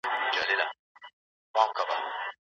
قومان ته ليک واستول سو چي پيسې بيرته ورکړي.